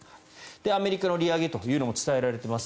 アメリカの利上げというのも伝えられています。